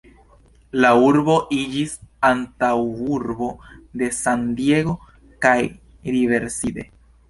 La urbo iĝis antaŭurbo de San-Diego kaj Riverside.